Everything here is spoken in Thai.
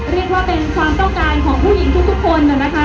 เรียกว่าเป็นความต้องการของผู้หญิงทุกคนนะคะ